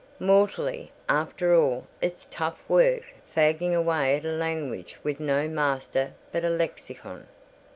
"Mortally: after all, it's tough work fagging away at a language with no master but a lexicon."